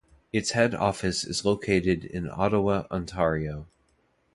Its head office is located in Ottawa, Ontario.